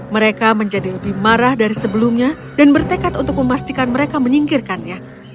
mereka menjadi lebih marah dari sebelumnya dan bertekad untuk memastikan mereka menyingkirkannya